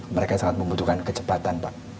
mereka sangat membutuhkan kecepatan pak